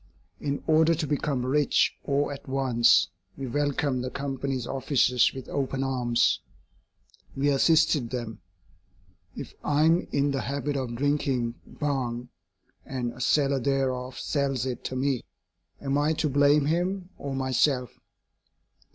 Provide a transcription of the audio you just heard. In order to become rich all at once, we welcomed the Company's officers with open arms. We assisted them. If I am in the habit of drinking Bhang and a seller thereof sells it to me, am I to blame him or myself?